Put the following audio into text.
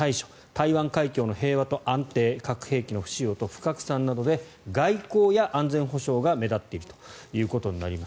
台湾海峡の平和と安定核兵器の不使用と不拡散などで外交や安全保障が目立っているということになります。